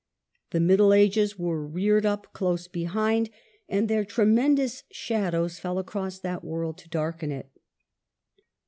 The Middle Ages were reared up close behind, and their tremendous shadows fell across that world to darken it.